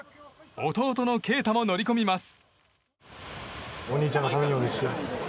弟の慶太も乗り込みます。